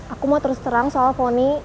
aku mau terus terang soal foni